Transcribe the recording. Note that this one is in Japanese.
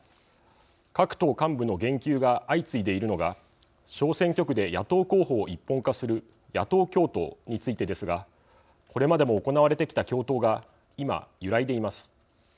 各党幹部の言及が相次いでいるのが小選挙区で野党候補を一本化する野党共闘についてですがこれまでも行われてきた共闘が今揺らいでいます。